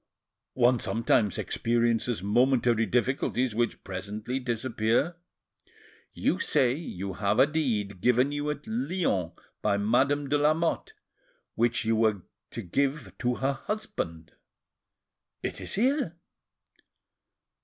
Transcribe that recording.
"One sometimes experiences momentary difficulties, which presently disappear." "You say you have a deed given you at Lyons by Madame de Lamotte, which you were to give to her husband?" "It is here."